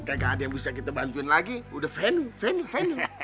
kayak gak ada yang bisa kita bantuin lagi udah venue venue venue